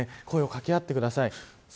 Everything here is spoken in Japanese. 声を掛け合ってください。